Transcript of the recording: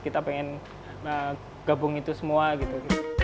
kita pengen gabung itu semua gitu